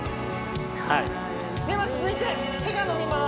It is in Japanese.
はいでは続いて手が伸びます